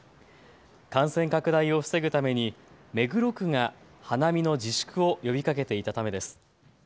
感染拡大を防ぐために目黒区が花見の自粛を呼びかけていたためです。